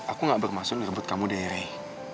aku gak bermaksud ngerebut kamu deh rai